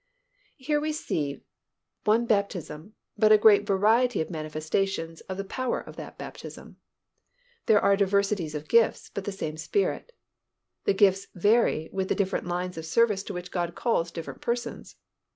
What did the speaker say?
Here we see one baptism but a great variety of manifestations of the power of that baptism. There are diversities of gifts, but the same Spirit. The gifts vary with the different lines of service to which God calls different persons.